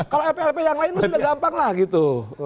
kalau lp lp yang lain pun sudah gampang lah gitu